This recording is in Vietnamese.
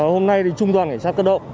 hôm nay thì trung toàn ngành sát cơ động